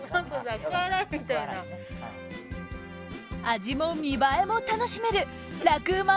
味も見栄えも楽しめる楽ウマ！